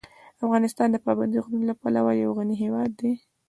افغانستان د پابندي غرونو له پلوه یو غني هېواد دی.